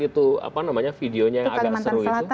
itu videonya yang agak seru